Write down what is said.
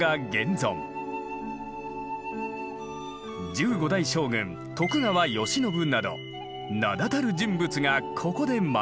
十五代将軍徳川慶喜など名だたる人物がここで学んだ。